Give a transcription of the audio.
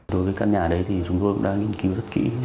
đối với căn nhà đấy thì chúng tôi cũng đã nghiên cứu rất kỹ